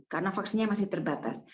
karena vaksinnya masih terbatas